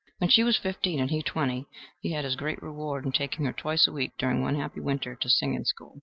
When she was fifteen and he twenty he had his great reward in taking her twice a week during one happy winter to singing school.